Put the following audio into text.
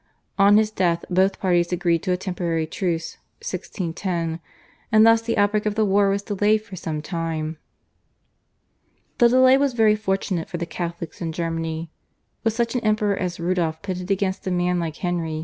On his death both parties agreed to a temporary truce (1610), and thus the outbreak of the war was delayed for some time. This delay was very fortunate for the Catholics in Germany. With such an Emperor as Rudolph pitted against a man like Henry IV.